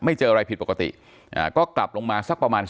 ไม่เจออะไรผิดปกติก็กลับลงมาสักประมาณ๑๒ธุ่ม